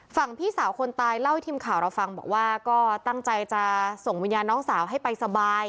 พี่สาวคนตายเล่าให้ทีมข่าวเราฟังบอกว่าก็ตั้งใจจะส่งวิญญาณน้องสาวให้ไปสบาย